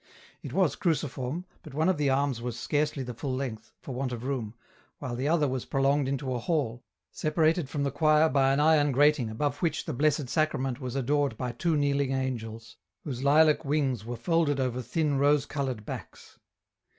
It was cruciform, but one of the arms was scarcely the full length, for want of room, while the other was prolonged into a hall, separated from the choir by an iron grating above which the Blessed Sacrament was adored by two kneeling angels, whose lilac wings were folded over thin rose coloured backs.